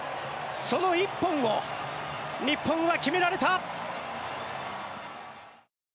その１本を日本は決められた。